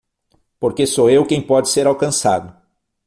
Porque sou eu quem pode ser alcançado